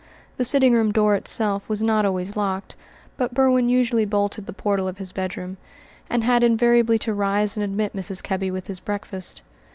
The sitting room door itself was not always locked, but Berwin usually bolted the portal of his bedroom, and had invariably to rise and admit Mrs. Kebby with his breakfast.